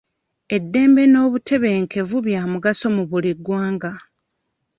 Eddembe n'obutebenkevu bya mugaso mu buli ggwanga.